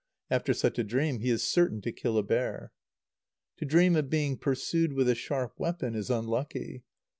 After such a dream, he is certain to kill a bear. To dream of being pursued with a sharp weapon is unlucky.